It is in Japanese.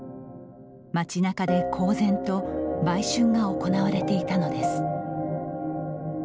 町なかで公然と売春が行われていたのです。